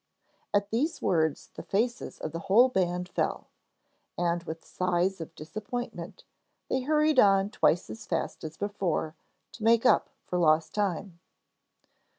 At these words the faces of the whole band fell, and with sighs of disappointment they hurried on twice as fast as before, to make up for lost time.